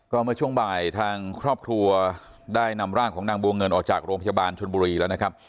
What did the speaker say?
ก็เมื่อช่วงบ่ายทางครอบครัวได้นำร่างของนางบัวเงินออกจากโรงพยาบาลชนบุรีแล้วนะครับ